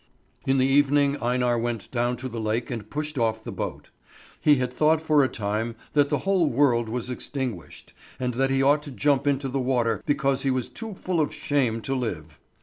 In the evening Einar went down to the lake and pushed off the boat. He had thought for a time that the whole world was extinguished, and that he ought to jump into the water because he was too full of shame to live.